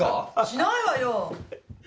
しないわよ！